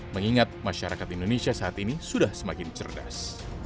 mengingat masyarakat indonesia saat ini sudah semakin cerdas